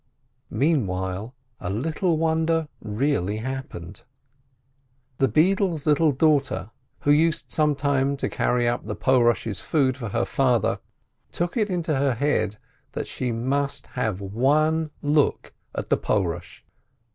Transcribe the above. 9 Meantime a little "wonder5* really happened. The beadle's little daughter, who used sometimes to carry up the Porash's food for her father, took it into her head that she most have one look at the Porush.